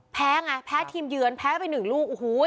แพ้ไงแพ้ทีมเยือนแพ้ไป๑ลูก